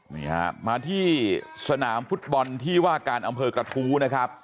นี่ฮะมาที่สนามฟุตบอลที่ว่าการอำเภอกระทู้นะครับ